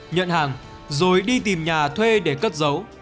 nhận hàng rồi đi tìm nhà thuê để cất giấu